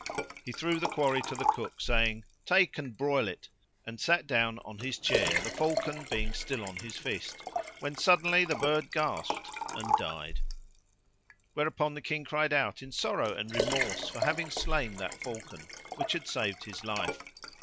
He threw the quarry to the cook saying, Take and broil it," and sat down on his chair, the falcon being still on his fist when suddenly the bird gasped and died; whereupon the King cried out in sorrow and remorse for having slain that falcon which had saved his life.